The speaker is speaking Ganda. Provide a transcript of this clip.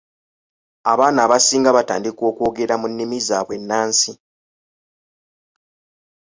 Abaana abasinga batandika okwogera mu nnimi zaabwe ennansi.